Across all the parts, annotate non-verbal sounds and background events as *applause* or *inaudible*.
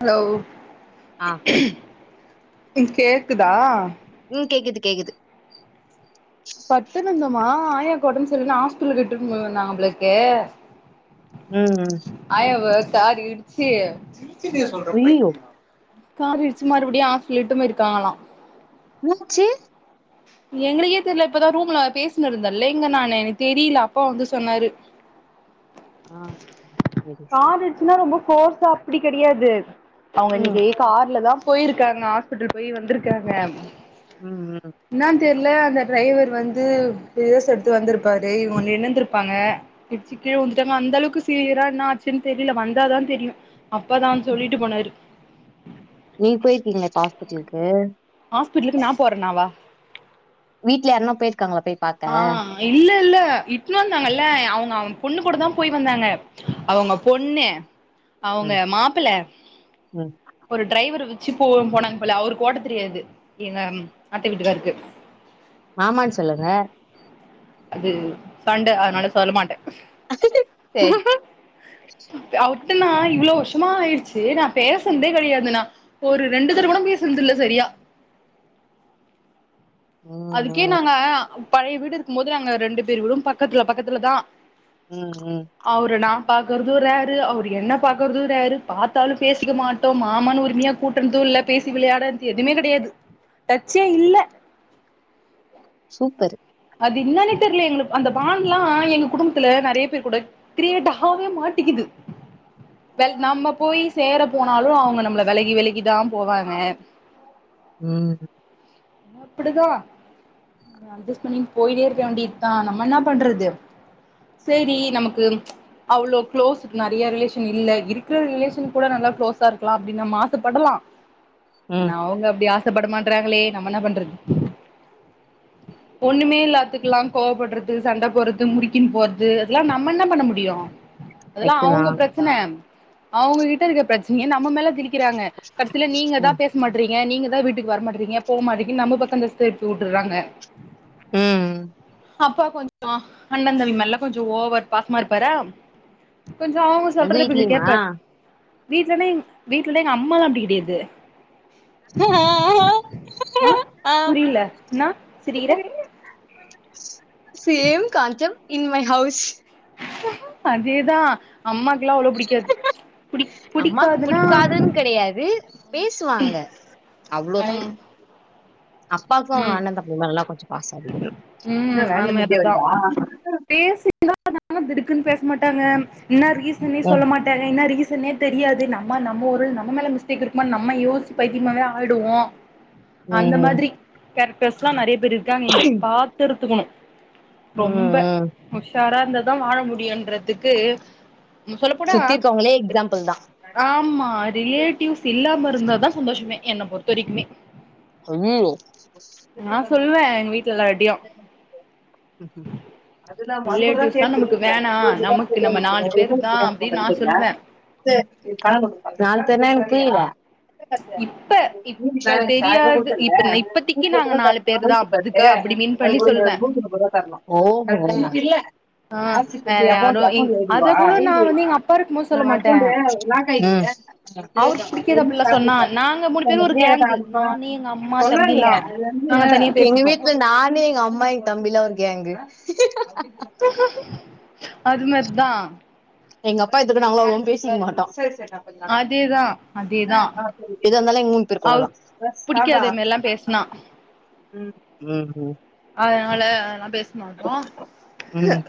Hello ஆ ம் கேக்குதா உம் கேக்குது கேக்குது பத்துனுந்தமா ஆயாக்கு ஒடம்பு சரியில்லனு ஹாஸ்பிட்டலுக்கு இட்டுனு போனாபோலக்கு உம் கார் இடுச்சி சிரிச்சுட்டு ஏன் சொல்ற அய்யய்யோ பைத்தியம் கார் இடிச்சி மறுபடியும் ஆஸ்பிட்லு இட்டு போயிருக்காங்களா என்னச்சி எங்களுக்கே தெரில இப்பதா ரூம்ல பேசினு இருந்தேல்ல இங்க நானு எனக்கு தெரியல அப்பா வந்து சொன்னாரு ஆ ஆ சரி சரி போர்ஸ்சா அப்படி கெடயாது அவங்க ம் இன்னைக்கு கார்ல தா போயிருக்காங்க ஹாஸ்பிட்டல் போய் வந்திருக்காங்க ம் ம் என்னானு தெர்ல அந்த டிரைவர் வந்து பேஸ் எடுத்து வந்துருப்பாரு ஒன்னு இனந்துருப்பாங்க இட்ச்சி கீழ விழுந்துட்டாங்க அந்த அளவுக்கு சிவியரா என்னா ஆச்சுன்னு தெரில வந்தாதா தெரியும் அப்பதா வந் சொல்லிட்டு போனாரு நீங்க போயிருக்கீங்களா இப்ப ஹாஸ்பிட்டலுக்கு ஹாஸ்பிட்டலுக்கு நா போறனாவா வீட்ல யார்னா போயிருக்காங்களா பேய் பாக்க இல்ல இட்ன்னு வந்தாங்க இல்ல அவுங்க அவங் பொண்ணு கூட தா போய் வந்தாங்க அவுங்க பொண்ணு அவுங்க ம் மாப்பிள்ள ம் ஒரு டிரைவரு வி சிப்பூவும் போனாங்க போல அவருக்கு ஓட்ட தெரியாது எங்க அத்த வீட்டுக்காருக்கு ஆமான்னு சொல்லுங்க அது சண்ட அதனால சொல்ல மாட்டே சேரி அவு ட்டுனா இவ்ளோ வருஷமா ஆயிருச்சு நா பேசன்தே கெடையாதுனா ஒரு ரெண்டு தடகூட பேசனது இல்ல சரியா ம் அதுக்கே ம் நாங்க பழய வீடு இருக்குமோது நாங்க ரெண்டு பேர் வீடோ பக்கத்துல பக்கத்துல தா ம் ம் பாக்கறது ரேரு அவரு என்ன பாக்கறது ரேரு பாத்தாலு பேசிக்க மாட்டோ மாமானு உரிமையா கூட்டனுது இல்ல பேசி விளையாடன்து எதுமே கெடையாது டச்சே இல்ல சூப்பர் அது என்னன்னே தெர்ல எங்களுக் அந்த பான்டுலா எங்க குடும்பத்துல நெறையா பேர் கூட கிரியேட்டாவே மாட்டிக்குது வெ நம்ம போயி சேர போனாலு அவுங்க நம்மள வெலகி வெலகிதா போவாங்க ம் அப்படிதா கொஞ்சோ அஜஸ்ட் பண்ணி போயிட்டே இருக்கே வேண்டியதா நம்ம என்ன பண்றது சேரி நமக்கு அவ்ளோ குளோஸ் நெறையா ரிலேஷன் இல்ல இருக்குற ரிலேஷன் கூட நல்லா கு்ளோஸா இருக்கலா அப்டி நம்ம ஆசப்படலா ம் ஆனா அவுங்க அப்டி ஆசைப்பட மாட்றாங்களே நம்ம என்ன பண்றது ஒண்ணுமே இல்லாத்துக்குலா கோவப்படுறது சண்ட போறது முறுக்கின்னு போறது அதெல்லா நம்ம என்ன பண்ண முடியோ அதெல்லா கரெக்ட்டு தா அவுங்க பிரச்சன அவுங்ககிட்ட இருக்குற பிரச்சனய நம்ம மேல திணி கிறாங்க கடைசில நீங்க தா ம் பேச மாட்டறீங்க நீங்க தா வீட்டுக்கு வர மாட்டறீங்க போ மாட்டிகு நம்ம பக்கம் இந்த கிரைப் உட்டறாங்க ம் அப்பா கொஞ்சோ அண்ணந்தம்பி மேல்லா கொஞ்சோ ஓவர் பாசமா இருப்பாரா கொஞ்சோ அவுங்க உங்க சொல்றத கொஞ்சோ வீட்லயுமா கேப்பாரு ரீச்ன்னா எங் வீட்டுலலா எங்க அம்மாலா அப்டி கெடயாது ஆ புரில என்னா சிரிக்கிற சரி. சேம் காஞ்சம் இன் மை ஹவுஸ் அதேதா அம்மா அம்மாக்கு புடிக்காதுன்னா புடிக்காதுன் கெடயாது பேசுவாங்க அவ்ளோ ம் அப்பாவுக்கும் ம் அண்ணன் தம்பி மேலலா கொஞ்ச பாசம் அதிக ம் அது மாரிதா பேசிட்தா இருந்தாங்க திடுக்குன் பேச மாட்டாங்க என்னா ரீசன்னே சொல்ல ம் மாட்டாங்க என்னா ரீசன்னே தெரியாது நம்ம நம்ம ஒரு நம்ம மேல மிஸ்டேக் இருக்குமா நம்ம யோச்சு பைத்தியமா ஆயிடுவோ அந்த ம் மாதிரி கேரக்டர்ஸ்ல்லாம் நெறைய பேர் இருக்காங்க இங்க பாத்துரு க்கணும் ரொம்ப ம் ம் உஷாரா இருந்தாதா வாழ முடியன்றதுக்கு சொல்லப்போனா சுத்தி இருக்கவங்களே எக்ஸாம்பிள் தா ஆமா ரிலேட்டிவ்ஸ் இல்லாம இருந்தாதான் சந்தோஷமே என்ன பொறுத்த வரைக்குமே ஐய்யோ சில்லறை நா தரனு சொல்லுவே எங்க வீட்ல எல்லார்ட்டியு *inaudible* ம் ம் அதுதா அது கூடதான் ரிலேட்டிவ்ஸ்லா நமக்கு வேணா சேர்துப்ப நமக்கு நம்ம நாலு பேரு தா அப்டின்னு நா சொல்லுவே *inaudible* *unintelligible* இப்ப இப்பதே ஆய்ரூபா குடுத்தன்ல நூத்துபத்து ரூபா தர்னும் பேர் தா நூத்தி பத்து அதுக்கா அப்டி மீன் அது பண்ணி கொஞ்ச சொல்வே நூத்திநுப்பது ரூபா தர்ணும் *inaudible* ஆ ஆக்ஸிஸ் வேற யாரு அக்கௌண்ட அக்கௌண்ல ஏத்தி அத விடவா கூட நா வந்து எங்க அப்பா இருக்கும்போது *unintelligible* நா சொல்ல மாட்டே அக்கௌண்ட் லாக்காயிரு அப்ளே அவருக்கு புடிக்காது அப்டிலா சொன்னா நாங்க மூணு பேரு பண்ணு ஒரு கேங்கு *unintelligible* நானு எங்க அம்மா சொல்றாங்க தம்பிலா அது வந்து நாங்க தனியா எங்க பேசிப்போ வீட்ல நானு எங்க அம்மா எங்க தம்பிலா ஒரு கேங்கு அது மாரிதா எங்க அப்பா எதுக்குனு அவுங்க அவுங்க பேசிக்க மாட்டோ அதேதா அதேதா எதா இருந்தாலு எங்க மூணு பேருக்கு உள்ளதான நா ம் ம் ம் அதனால அதல்லா பேச மாட்டோம் ம் ம்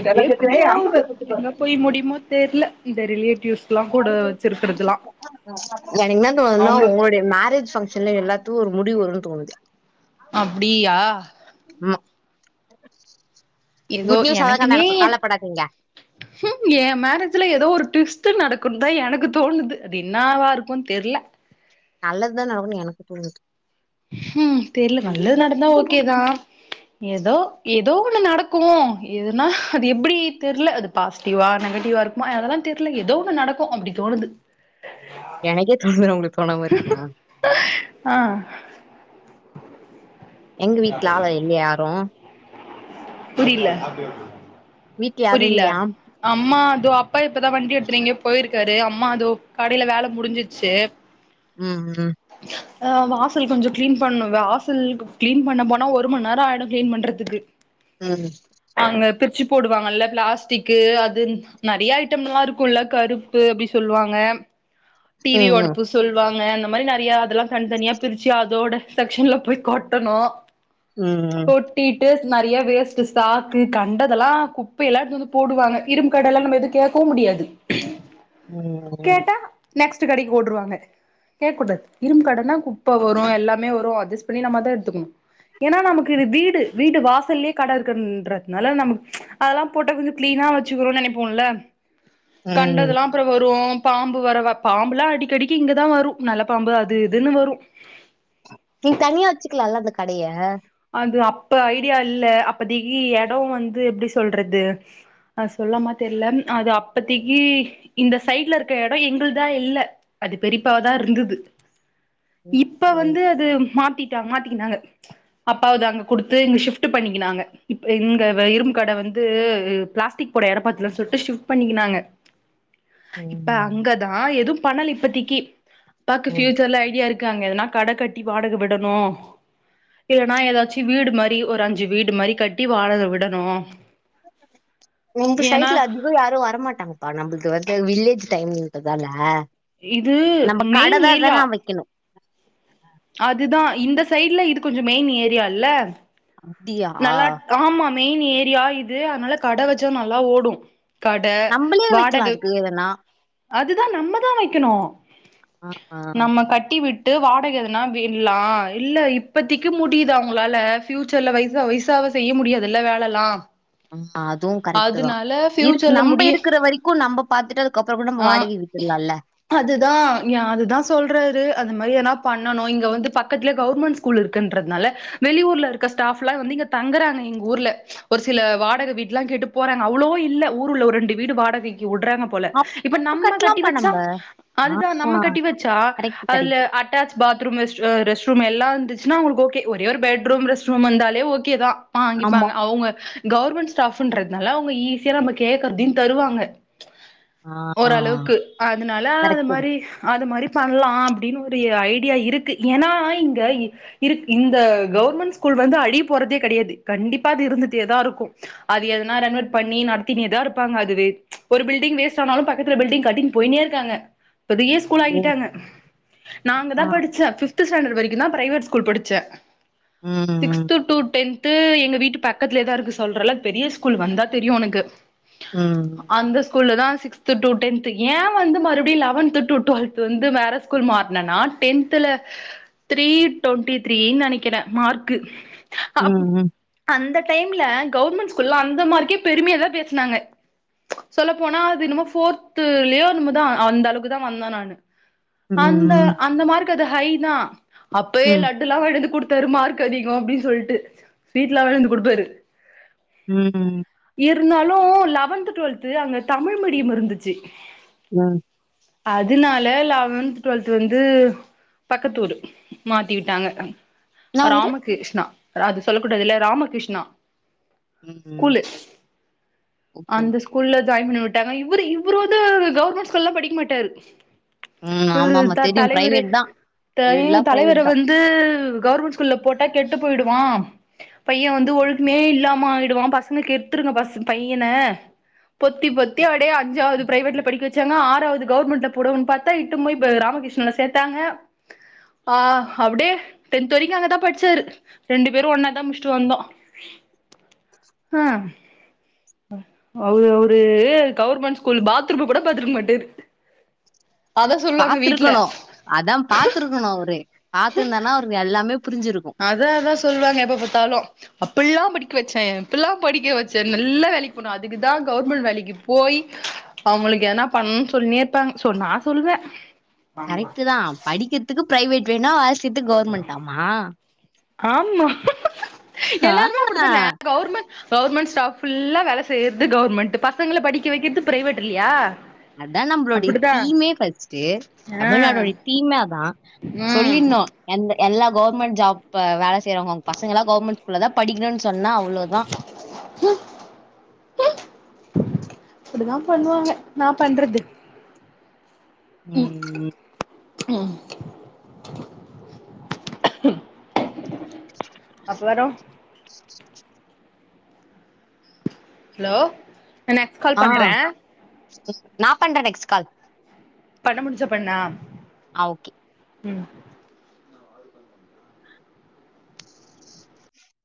இப்டியே போகுது எங்க போய் முடியுமோ தெர்ல இந்த ரிலே எனக்கு என்ன தோனுதுன்னா அவுங்க உங்களுடைய மேரேஜ் பங்க்ஷன்ல எல்லா து ஒரு முடிவுவருன்னு தோணுது அப்டியா ஆமா ஏதோ குட் நியூஸா தாங்க எனக்குமே நடக்கு கவலப்படாதீங்க எ மேரேஜ்ல ஏதோ ஒரு ட்விஸ் ட் நடக்குண்தா எனக்கு தோணுது அது என்னாவா இருக்கும்னு தெர்ல நல்லதுதா நடக்கும்னு எனக்கு தோணுது ஹும் தெர்ல நல்லது நடந்தா ஓகேதா எதோ எதோ ஒண்ணு நடக் கும் எதுனா அது எப்டி தெர்ல அது பாசிட்டிவா நெகட்டிவா இருக்கும் அதெல்லாம் தெர்ல எதோ ஒன் நடக்கு ம் அப்டி தோணுது எனக்கே தோணுது உங்களுக்கு தோணாம இருக்குமா ஆ எங்க வீட்ல ஆள இல்லயா யாரும் புரியில வீட்ல யாரும் புரியில இல்லையா அம்மா அதோ அப்பா இப்பதா வண்டி எடுத்துனு எங்கயோ போயிருக்காரு அம்மா அது கடையில வேலை முடிஞ்சிச்சு ம் ம் ஆ வாசல் கொஞ்ச கிளீன் பண்ணுங்க வாசலு கிளீன் பண்ண போனா ஒரு மண்நேர ஆயிடும் கிளீன் பண்றதுக்கு ம் அங்க பிரிச்சு போடுவாங்கல்ல பிளாஸ்டிக்கு அது நெறைய ஐட்டம் எல்லா இருக்கும்ல கருப்பு அப்டி சொல்லுவாங்க டிவி ம் உடப்பு சொல்வாங்க அந்த மாரி நெறைய அதெல்லாம் தனித்தனியா பிரிச்சு அதோட செக்ஷன்ல போய் கொட்டணு ம் கொட்டிட்டு நறைய வேஸ்ட் ஸ்டாக் கண்டதெல்லா குப்ப எல்லா எடுத்து வந்து போடுவாங்க இரும்பு கடைல நம்ம எதுவு கேக்கவு முடி யாது ம் ம் நெக்ஸ்ட் கடைக்கு ஓட்ருவாங்க கேக்கூடா இரும்பு கடனா குப்ப வரு எல்லாமே வரு அட்ஜஸ்ட் பண்ணி நம்மதா எடுத்துக்கணு ஏன்னா நமக்கு இது வீடு வீடு வாசல்லயே கட இருக்குன்றதுனால நமக்கு அதெல்லா போட்ட கொஞ்ச கிளீ னா வச்சுக்குறோ நெனைப்போல ம் கண்டதுல்லா அப்புற வரு பாம்பு வரவ வ பாம்புல்லா அடிக்கடிக்கு இங்கதா வரு நல்ல பாம்பு அது இதுன்னு வரு நீங்க தனியா வச்சுக்கலால அந்த கடைய அது அப்ப ஐடியா இல்ல அப்ப திகி எடோ வந்து எப்டி சொல்றது அ சொல்ல மாட் இல்லன் அது அப்பத்திக்கு இந்த சைட்ல இருக்க எடொ எங்கள்தா இல்ல அது பெரியப்பாவாதா இ ருந்தது ம் இப்ப வந்து அது மாத்திட்டா மாத்திக்கினாங்க அப்பாவுது அங்க கொடுத்து இங்க ஷிஃப்ட் பண்ணிக்கினாங்க இப் இங்க வ இரும் கட வந்து இ பிளாஸ்டிக் புட யரப்பாத்துல சுட்டு ஷிஃப்ட் பண்ணிக்கினாங்க ம் இப்ப ம் அங்கதா எதுவு பண்ணல இப்பத்திக்கு அப்பாக்கு ம் ஃபியூச்சர்ல ஐடியா இருக் க்காங்க எதனா கட கட்டி வாடக விடணு இல்லன்னா ஏதாச்சு வீடு மாரி ஒரு அஞ்சு வீடு மாரி கட்டி வாடக விடணு உங்க ஏன்னா சைட்ல அதிக யாரு வரமாட்டாங்கப்பா நம்மளுக்கு வ வ வில்லேஜ் டைம்றதால இது நம்ம மெயின் கடதா ஏரியா வெரன்னா வைக்கணு அதுதா இந்த சைடு்ல இது கொஞ்ச மெயின் ஏரியால்ல அப்டியா நல்லா ஆமா மெயின் ஏரியா இது அனால கட வச்சா நல்லா ஓடு கட நம்மளே வாடக வைக்கலாம் அதுக்கு எதனா அதுதா நம்மதா வைக்கணு ஆ ஆ நம்ம கட்டி விட் டு வாடக எதனா விட்லா இல்ல இப்பத்திக்கு முடியுதா உங்களால ஃபியூச்சர்ல வய சா வயசாவ செய்ய முடியாதுல்ல வேல எல்லா ஆ அதுவு கரெக்ட்டு தா இருக் ஃபியூச்சர்ல நம்ம முடிய இருக்குற வரைக்கு நம்ம பாத்துட்டு அதுக்கப்புறோ கூட நம்ம ஆ வாடகை விட்டுட்லால அதுதா ஏ அதுதா சொல்றாரு அது மாரி ஏனா பண்ணனு இங்க வந்து பக்கத்துலயே கவர்மெண்ட் ஸ்கூல் இருக்குன்றதுனால வெளியூர்ல இருக்க ஸ்டாஃப் ப்லா வந்து இங்க தங்குறாங்க எங்க ஊர்ல ஒரு சில வாடக வீட்லா கேட்டு போறாங்க அவ்வளோ இல்ல ஊருல ஒரு ரெண்டு வீ வீடு வாடகைக் கு வுடுறாங்க போல இப்ப அப்ப நம்ம கட்டி கட்டலாம்ப்பா வச்சா நம்ப ஆ அதுதா நம்ம கட்டி வச்சா கரெக்ட் அதுல கரெக்ட் அ அட்டேச் பாத்ரூம் வெச் அ ரெஸ்ட் ரூம் எல்லா இருந்துச்சுன்னா அவங்களுக்கு ஓகே ஒரே ஒரு பெட்ரூம் ரெஸ்ட்ரூம் இருந்தாலே ஓகே தா ஆமா வாங்கிப்பாங்க அவங்க கவர்மெண்ட் ஸ்டாஃபுன்றதுனால அவங்க ஈஸியா நம்ம கேக்குறதையு தருவாங்க ஆ ஓரளவுக்கு அதுனால அது கரெக்ட் தான் மாரி அது மாரி பண்லா அப்டின்னு ஒரு எ ஐடியா இருக்கு ஏன்னா இங்க இ இருக் இந்த கவர்மெண்ட் ஸ்கூல் வந்து அடிப் போறதே கெடையாது கண்டிப்பா அது இருந்தேதா இருக்கு அது எதனா ரெண்வேட் பண்ணி நடத்தினேதா இருப்பாங்க அதுவே ஒரு பில்டிங் வேஸ்ட் ஆனாலு பக்கத்துல பில்டிங் கட்டின்னு போய்னே இருக்காங்க பெரிய ஸ்கூல் ம் ஆக்கிட்டாங்க நாங் அங்கதா ஆ படிச்சே ஃபிஃப்துச் ஸ்டாண்டர்ட் வரைக்கு தா பிரைவேட் கூல் படிச்சே ம் ம் சிக்ஸ்த் டு டெந்து எங்க வீட்டு பக்கத்தலயேதா இருக்கு சொல்றல்ல பெரிய ஸ்கூல் வந்தா தெரியு உனக்கு ம். அந்த ஸ்கூல்ல தா சிக்ஸ்து டு டெந்த்து ஏ வந்து மறுப்டியு லெவந்து டு வெல்த்து வந்து வேறு ஸ்கூல் மாறுனேன்னா டெந்துல த்ரீ டுவெண்ட்டி த்ரீ நெனைக்கிறே மார்க்கு அப் ம் ம் அந்த டைம்ல கவர்மெண்ட் ஸ்கூல்ல அந்த மார்க்கே பெருமையா தா பேசுனாங்க சொல்ல போனா அது இனமோ போர்துலயோ நம்மதா அந்த அளவுக்குதா வந்தே நானு அந்த ம் அந்த மார்க்கு அது ஹை தா அப்பவே ம் லட்டுலா வாங்கிட்டு வந்து குடுத் த்தாரு மார்க் அதிகோ அப்டின் சொல்ட்டு வீட்ல வேற வந்து குடுப்பாரு ம் ம் இருந்தாலு லெவன்த்து டுவெல்த்து அங்க தமிழ் மீடியம் இருந்துச்சு நா அதுனால லெவன்த் டுவெல்த் வந்து பக்கத்தூரு மாத்தி விட்டாங்க என்ன ஊரு ராமகிருஷ்ணா அது சொல்லக்கூடாதுல்ல ராமகிஷ்ணா ம் கூலு ஓகே அந்த ஓகே ஸ்கூல்ல ஜாயின் பண்ணி விட்டாங்க இவரு இவரு வந்து கவர்மெண்ட் ஸ்கூலெல்லா படிக்க மாட்டாரு ம் ஆமா இவரு ஆமா தா தெரியும் தலைவரு பிரைவேட் தான் தையி ஃபுல்லா தலைவர பிரைவேட் தான் வந்து கவுர்மெண்ட் ஸ்கூல்ல போட்டா கெட்டு போயிடுவா பையே வந்து ஒழுக்குமே இல்லாம ஆயிடுவா பசங்க கெடுத்துருங்க பஸ் பையன பொத்தி பொத்தி அப்டியே அஞ்சாவது பிரைவேட்ல படிக்க வச்சாங்க ஆறாவது கவுர்மெண்ட்ல போடுவாங்கனு பாத்தா இட்டும் போயி ப க்ராம ம கிருஷ்ணல சேத்தாங்க ஆ அப்டியே டென்த் வரைக்கூ அங்கதா பட்ச்சாரு ரெண்டு பேரு ஒன்னாதா முடுஸ்ட்டு வந்தோ ஆ அவரு அவரு கவுர்மெண்ட் ஸ்கூல் பாத்ரூம்ம கூட பாத்ருக்க மாட்டாரு அதா சொல்லுவாங்க வீட்ல பாத்துருக்கணு அதா பாத்துருக்கணு அவரு பாத்துருந்தார்னா அவருக்கு எல்லாமே புரிஞ்சிருக்கும் அத அதா சொல்வாங்க எப்ப பாத்தாலு அப் இப்புல்லா படிக்க வச்சே இப்புலா படிக்க வச்சே நல்லா வேலக்கி போனா அதுக்கு தா கவுர்மெண்ட் வேலைக்கி போயி அவுங்களுக்கு எதனா பண்ணு சொல்னே இருப்பாங் சோ நா சொல்றே கரெக்ட்டு தா படிக்கிறதுக்கு ப்ரைவேட் வேணா ஆஸ் ஆமா எல்லாருமே அப்டிதான ஆ கவுர்மெண்ட் கவுர்மெண்ட் ஸ்டாஃப் ஃபுல்லா வேல செய்றது கவுர்மெண்ட் பசங்கள படிக்க வைக்கிறது ப்ரைவேட் இல்லையா அதா நம்பளுடைய அப்டிதா தீமே ஃபர்ஸ்ட்டு ஆ தமிழ்நாட்டோட தீமே அதா ம் சொல்லிட்னு எந்த எல்லா கவுர்மெண்ட் ஜாப்ப வேல செய்யுறவங்க பசங்க எல்லா கவுர்மெண்ட் ஸ்கூல்ல தா படிக்கணுன்னு சொன்னா அவ்ளோதா அப்டிதா பண்ணுவாங்க என்னா பண்றது ம் ம் ம் அப்பறோ ஹலோ நா நெக்ஸ்ட் கால் பண்றே நா பண்றே நெக்ஸ்ட் கால் பண்ண முடிஞ்சா பண்ணா ஆ ஓகே. ம்